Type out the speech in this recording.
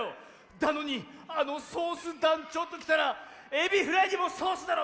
なのにあのソースだんちょうときたら「エビフライにもソースだろ！